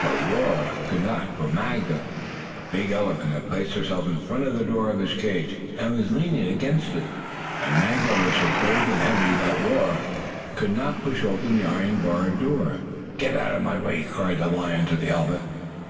But Roarer could not, for Maggo, the big elephant, had placed herself in front of the door of his cage, and was leaning against it. And Maggo was so big and heavy that Roarer could not push open the iron barred door. "Get out of my way!" cried the lion to the elephant.